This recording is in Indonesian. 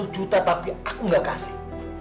dua ratus juta tapi aku nggak kasih